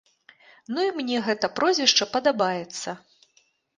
Ну і мне гэта прозвішча падабаецца.